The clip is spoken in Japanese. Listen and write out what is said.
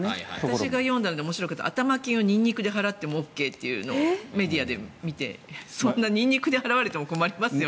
私が読んだので面白かったのは頭金をニンニクで払ってもＯＫというのをメディアで見てニンニクで払われても困りますよね。